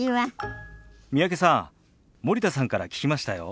三宅さん森田さんから聞きましたよ。